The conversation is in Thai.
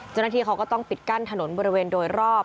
เจ้าหน้าที่เขาก็ต้องปิดกั้นถนนบริเวณโดยรอบ